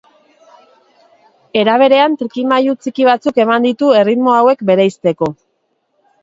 Era berean, trikimailu txiki batzuk eman ditu, erritmo hauek bereizteko.